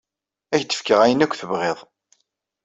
Ad ak-d-fkeɣ ayen akk tebɣiḍ.